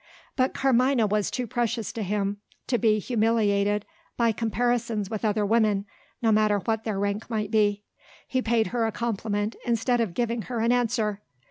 But Carmina was too precious to him to be humiliated by comparisons with other women, no matter what their rank might be. He paid her a compliment, instead of giving her an answer.